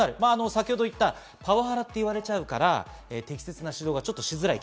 先ほど言ったパワハラと言われちゃうから、適切な指導がしづらい。